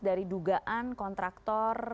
dari dugaan kontraktor